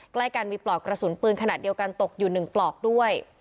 ใกล้กันมีปลอกกระสุนปืนขนาดเดียวกันตกอยู่๑ปลอกด้วย